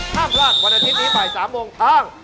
ห้ามพลาดวันอาทิตย์นี้บ่าย๓โมงทาง